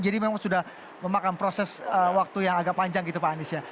jadi memang sudah memakan proses waktu yang agak panjang gitu pak anies ya